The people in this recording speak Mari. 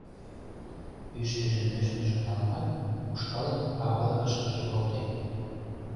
Ӱшкыжын нӧшмыжым наламат, ушкалын авалыкышкыже колтем.